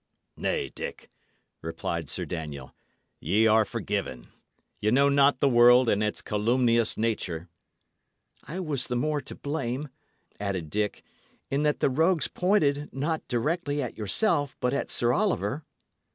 "Nay, Dick," replied Sir Daniel, "y' are forgiven. Ye know not the world and its calumnious nature." "I was the more to blame," added Dick, "in that the rogues pointed, not directly at yourself, but at Sir Oliver."